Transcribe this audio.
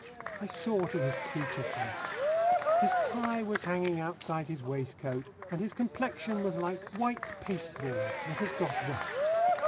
I saw to his creature comforts. His tie was hanging outside his waistcoat, and his complexion was like white pasteboard that has got wet.